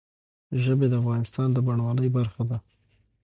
ژبې د افغانستان د بڼوالۍ برخه ده.